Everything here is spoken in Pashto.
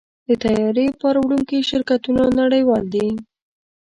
د طیارې بار وړونکي شرکتونه نړیوال دي.